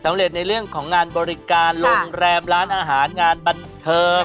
ในเรื่องของงานบริการโรงแรมร้านอาหารงานบันเทิง